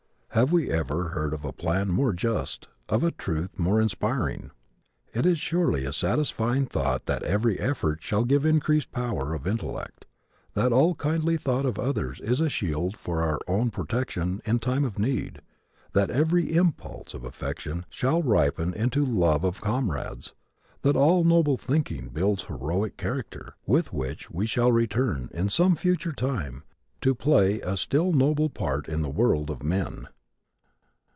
Have we ever heard of a plan more just, of a truth more inspiring? It is surely a satisfying thought that every effort shall give increased power of intellect; that all kindly thought of others is a shield for our own protection in time of need; that every impulse of affection shall ripen into the love of comrades; that all noble thinking builds heroic character, with which we shall return, in some future time, to play to a still noble part in the world of men.